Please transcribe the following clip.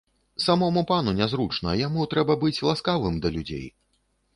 Самому пану нязручна, яму трэба быць ласкавым да людзей.